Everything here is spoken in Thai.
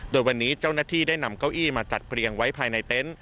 โดยวันนี้เจ้าหน้าที่ได้นำเก้าอี้มาจัดเรียงไว้ภายในเต็นต์